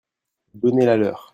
Donnez-la leur.